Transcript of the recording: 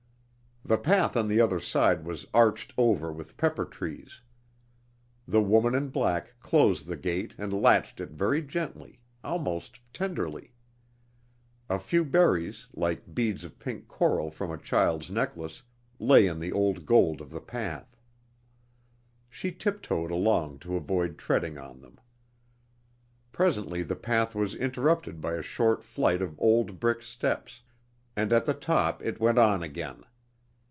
The path on the other side was arched over with pepper trees. The woman in black closed the gate and latched it very gently, almost tenderly. A few berries, like beads of pink coral from a child's necklace, lay on the old gold of the path. She tiptoed along to avoid treading on them. Presently the path was interrupted by a short flight of old brick steps, and at the top it went on again.